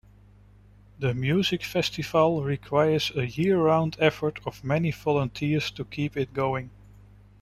The music festival requires a year-round effort of many volunteers to keep it going.